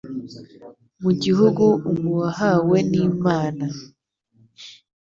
Mu gihugu umu Wahawe n'Imana